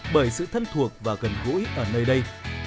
bởi sự thân thuộc và gần gũi ở nơi đây